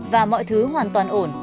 và mọi thứ hoàn toàn ổn